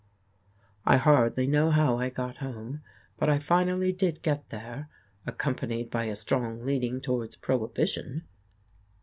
I hardly know how I got home, but I finally did get there, accompanied by a strong leaning towards Prohibition.